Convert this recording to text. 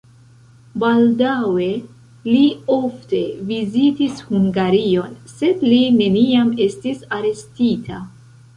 Baldaŭe li ofte vizitis Hungarion, sed li neniam estis arestita.